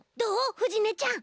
ふじねちゃん。